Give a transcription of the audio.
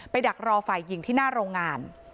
ดักรอฝ่ายหญิงที่หน้าโรงงาน